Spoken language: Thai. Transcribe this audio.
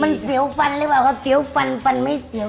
มันเสียวหรือเปล่าเสียวฟันไม่เสียว